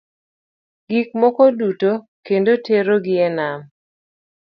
Gik moko duto kendo tero gi e nam.